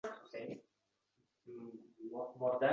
Qudasiga jazo tayinlangan kuni u hushidan ketdi